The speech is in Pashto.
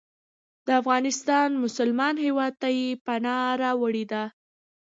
د افغانستان مسلمان هیواد ته یې پناه راوړې ده.